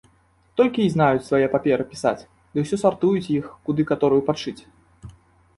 Толькі й знаюць свае паперы пісаць ды ўсё сартуюць іх, куды каторую падшыць.